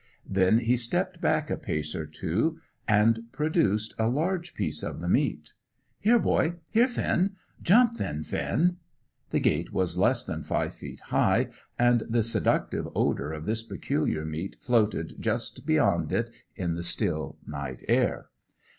Then he stepped back a pace or two, and produced a large piece of the meat. "Here, boy! Here, Finn! Jump, then, Finn!" The gate was less than five feet high, and the seductive odour of this peculiar meat floated just beyond it in the still night air.